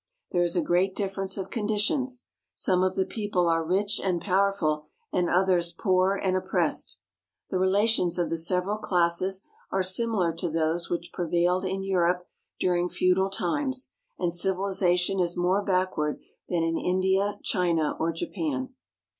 There is a great difference of conditions. Some of the people are rich and powerful and others poor and oppressed. The relations of the several classes are similar to those which prevailed in Europe during feudal times, and civilization is more backward than in India, China, or Japan.